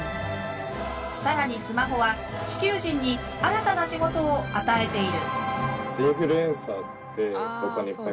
更にスマホは地球人に新たな仕事を与えている。